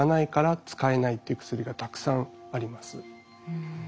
うん。